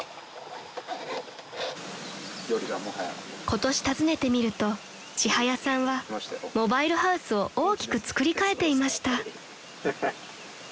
［今年訪ねてみるとちはやさんはモバイルハウスを大きく造り替えていました］